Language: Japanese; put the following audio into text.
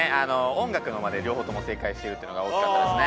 音楽の間で両方とも正解してるっていうのが大きかったですね。